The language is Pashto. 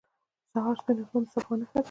• د سهار سپین آسمان د صفا نښه ده.